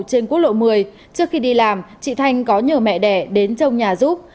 trên quốc lộ một mươi trước khi đi làm chị thanh có nhờ mẹ đẻ đến trong nhà giúp